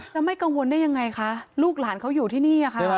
ไม่กังวลได้ยังไงคะลูกหลานเขาอยู่ที่นี่ค่ะ